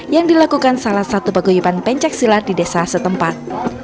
yang dilakukan salah satu paguyuban pencaksilat di desa setempat